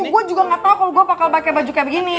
gue juga gak tau kalau gue bakal pakai baju kayak begini